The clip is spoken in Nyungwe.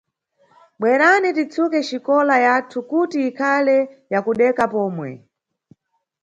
Bwerani titsuke xikola yathu kuti ikhale ya kudeka pomwe.